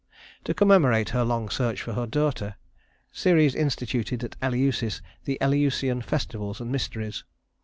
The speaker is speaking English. To commemorate her long search for her daughter, Ceres instituted at Eleusis the Eleusinian Festivals and Mysteries.